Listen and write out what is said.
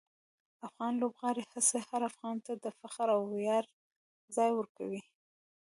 د افغان لوبغاړو هڅې هر افغان ته د فخر او ویاړ ځای ورکوي.